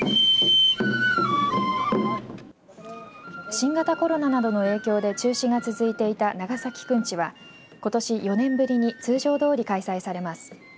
新型コロナなどの影響で中止が続いていた長崎くんちはことし４年ぶりに通常どおり開催されます。